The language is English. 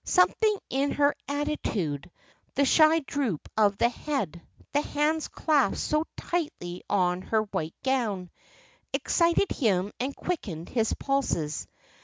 Something in her attitude the shy droop of the head, the hands clasped so tightly on her white gown excited him and quickened his pulses.